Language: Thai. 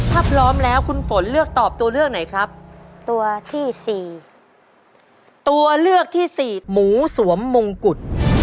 ถ้าพร้อมแล้วคุณฝนเลือกตอบตัวเลือกไหนครับตัวที่สี่ตัวเลือกที่สี่หมูสวมมงกุฎ